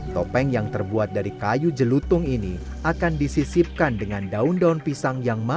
topeng yang terbuat dari kayu jelutung ini akan disisipkan dengan daun daun pisang yang matang